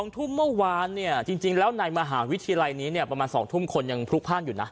ทุ่มเมื่อวานจริงแล้วในมหาวิทยาลัยนี้ประมาณ๒ทุ่มคนยังพลุกพลาดอยู่นะ